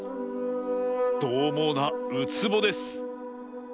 どうもうなウツボです。